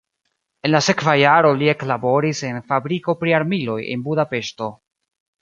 En la sekva jaro li eklaboris en fabriko pri armiloj en Budapeŝto.